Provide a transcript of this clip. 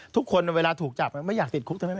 ทุกคนครึ่งเวลาถูกจับไม่อยากติดคุก